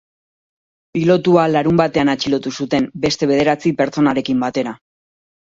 Pilotua larunbatean atxilotu zuten beste bederatzi pertsonarekin batera.